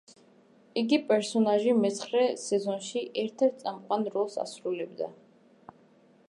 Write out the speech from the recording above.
იგივე პერსონაჟი მეცხრე სეზონში ერთ-ერთ წამყვან როლს ასრულებდა.